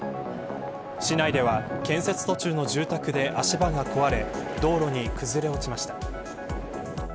市内では建設途中の住宅で足場が壊れ道路に崩れ落ちました。